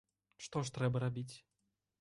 Што ж трэба рабіць?